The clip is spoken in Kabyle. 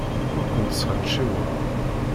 Ur kent-sxenciweɣ.